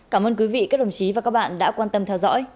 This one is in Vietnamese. cảm ơn quý vị các đồng chí và các bạn đã quan tâm theo dõi